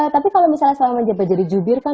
tapi kalau misalnya selama saya belajar di jubir kan